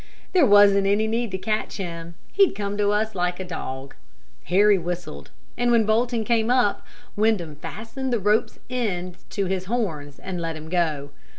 There wasn't any need to catch him, he'd come to us like a dog. Harry whistled, and when Bolton came up, Windham fastened the rope's end to his horns, and let him go.